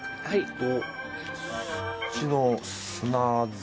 はい。